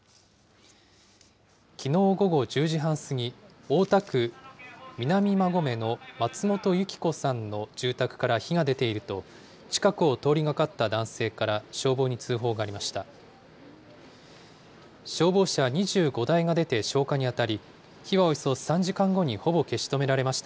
きのう午後１０時半過ぎ、大田区南馬込の松本由伎子さんの住宅から火が出ていると、近くを通りがかった男性から消防に通報がありました。